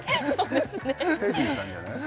テディーさんじゃない？